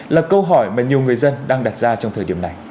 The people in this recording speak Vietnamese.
là câu hỏi mà nhiều người dân đang đặt ra trong thời điểm này